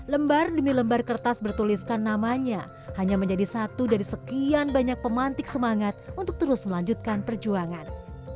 lembar demi lembar kertas bertuliskan namanya hanya menjadi satu dari sekian banyak pemantik semangat untuk terus melanjutkan perjuangan